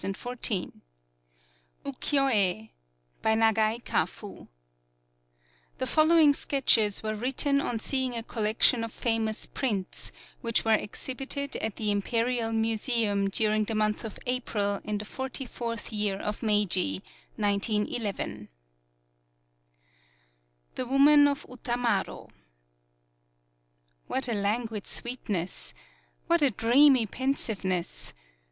... 102 UKIYOE UKIYOE By NAGAI KAFU [The following sketches were written on seeing a collection of famous prints, which were exhibited at the Imperial Museum during the month of April in the forty fourth year of Meiji (1911) ]. THE WOMAN OF UTAMARO TT7HAT a languid sweetness! What a dreamy pensiveness!